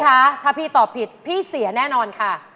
ถ้าพี่ตอบผิดพี่เสียแน่นอนค่ะ